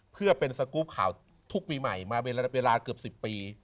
เพื่อเป็นสกรูปข่าวทุกปีใหม่มาเป็นระยะเวลาเกือบ๑๐ปี